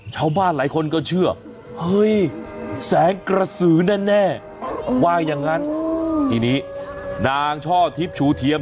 ชาวบ้านหลายคนก็เชื่อเฮ้ยแสงกระสือแน่ว่าอย่างนั้นทีนี้นางช่อทิพย์ชูเทียม